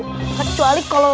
cuma ray dikalig emergency